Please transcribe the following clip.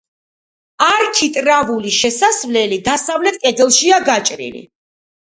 არქიტრავული შესასვლელი დასავლეთ კედელშია გაჭრილი.